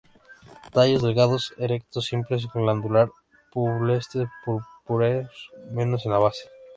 Tallos delgados, erectos, simples, glandular-pubescentes, purpúreos al menos en la base.